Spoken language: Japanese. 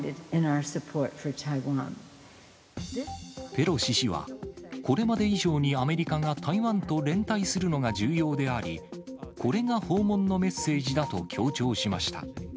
ペロシ氏は、これまで以上にアメリカが台湾と連帯するのが重要であり、これが訪問のメッセージだと強調しました。